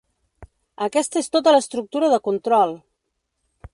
Aquesta és tota l'estructura de control!